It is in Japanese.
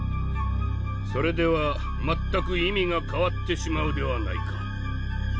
それでは全く意味が変わってしまうではないか。